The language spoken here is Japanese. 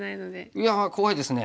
いや怖いですね。